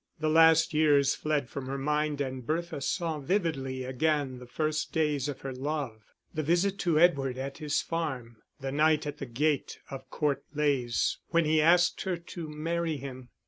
The last years fled from her mind and Bertha saw vividly again the first days of her love, the visit to Edward at his farm, the night at the gate of Court Leys when he asked her to marry him.